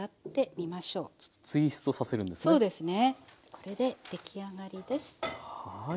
これで出来上がりです。